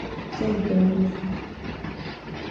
څنګه کولی شم فطرې ورکړم